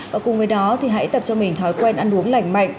và cùng với đó thì hãy tập cho mình thói quen ăn uống lành mạnh